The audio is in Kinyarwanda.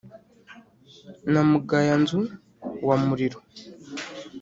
na mugayanzu wa muriro.